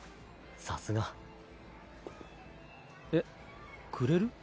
さすが。えっ？くれる？